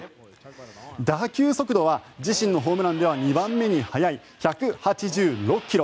打球速度は自身のホームランでは２番目に速い１８６ｋｍ。